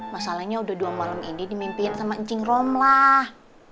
masalahnya udah dua malem ini dimimpiin sama ncing rom lah